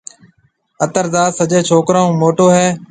اتر داس سجيَ ڇوڪرون هون موٽو هيَ۔